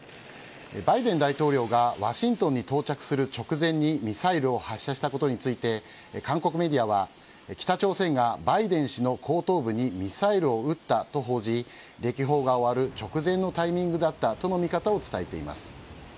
バイデン大統領がワシントンに到着する直前にミサイルを発射したことについて韓国メディアは北朝鮮がバイデン氏の後頭部にミサイルを撃ったと報じ歴訪が終わる直前のタイミングだったとの見方を伝えています。